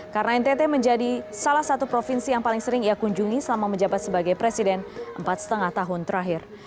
karena ntt menjadi salah satu provinsi yang paling sering ia kunjungi selama menjabat sebagai presiden empat lima tahun terakhir